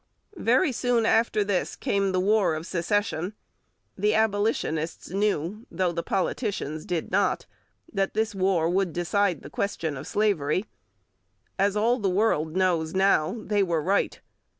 Very soon after this came the War of Secession. The Abolitionists knew, though the politicians did not, that this war would decide the question of slavery. As all the world knows now, they were right.